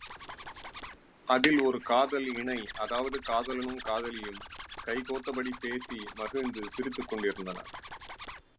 அதில், ஒரு காதல் இணை அதாவது காதலனும் காதலியும் கை கோத்தபடிப் பேசி மகிழ்ந்து சிரித்துக் கொண்டிருந்தனர்.